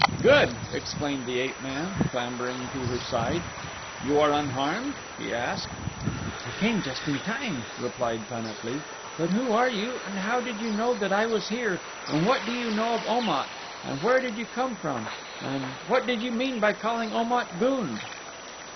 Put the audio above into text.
"Good!" exclaimed the ape man, clambering to her side. "You are unharmed?" he asked. "You came just in time," replied Pan at lee; "but who are you and how did you know that I was here and what do you know of Om at and where did you come from and what did you mean by calling Om at, gund?"